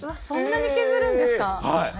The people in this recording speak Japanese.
そんなに削るんですか？